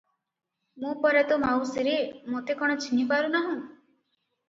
ମୁଁ ପରା ତୋ ମାଉସୀରେ- ମୋତେ କଣ ଚିହ୍ନି ପାରୁନାହୁଁ?